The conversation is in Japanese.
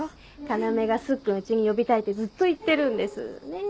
要がスッくんうちに呼びたいってずっと言ってるんですねぇ。